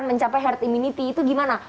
mencapai herd immunity itu gimana